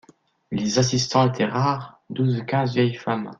Les assistants étaient rares, douze ou quinze vieilles femmes.